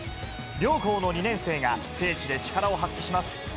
両校の２年生が、聖地で力を発揮します。